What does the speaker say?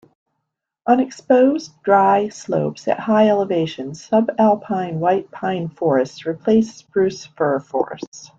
On exposed, dry slopes at high elevations, subalpine white pine forests replace spruce-fir forests.